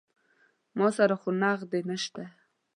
ما سره خو نقدې نه شته.